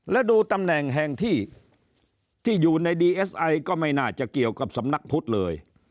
และดูตำแหน่งแห่งที่อยู่ในดีเอสไอก็ไม่น่าจะเกี่ยวกับสำนักพุทธเลย